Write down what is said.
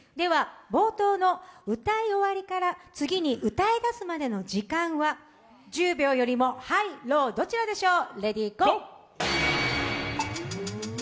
冒頭の歌い終わりから次に歌いだすまでの時間は、１０秒よりもハイ、ロー、どちらでしょう。